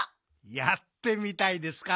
やってみたいですか？